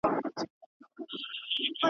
په نصیب یې ورغلی شین جنت وو `